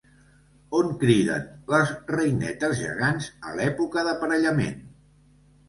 On criden les reinetes gegants a l'època d'aparellament?